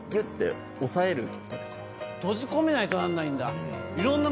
閉じ込めないとなんないんだ。